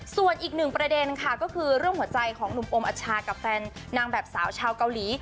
ส่วนอีกหนึ่งประเด็นค่ะก็คือเรื่องหัวใจของหนุ่มโอมอัชชากับแฟนนางแบบสาวชาวเกาหลี